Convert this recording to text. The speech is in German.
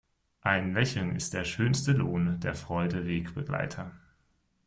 Ein Lächeln ist der schönste Lohn, der Freude Wegbegleiter.